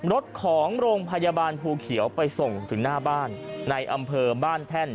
รถของโรงพยาบาลภูเขียวไปส่งถึงหน้าบ้านในอำเภอบ้านแท่น